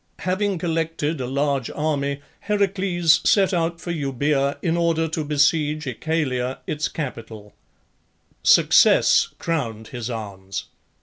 Having collected a large army Heracles set out for Euboea in order to besiege Oechalia, its capital. Success crowned his arms.